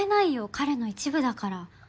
彼の一部だから。